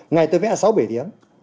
ngày tôi vẽ sáu bài